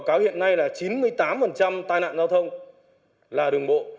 cáo hiện nay là chín mươi tám tai nạn giao thông là đồng bộ